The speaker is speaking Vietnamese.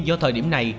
do thời điểm này